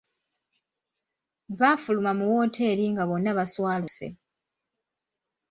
Baafuluma mu wooteeri nga bonna baswaluse.